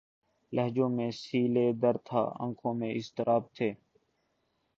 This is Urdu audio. لہجوں میں سیلِ درد تھا‘ آنکھوں میں اضطراب تھے